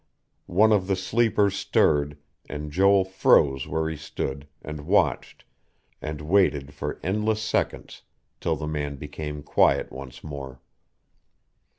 One of the sleepers stirred, and Joel froze where he stood, and watched, and waited for endless seconds till the man became quiet once more.